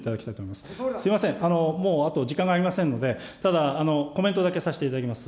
すみません、もうあと時間がありませんので、ただ、コメントだけさせていただきます。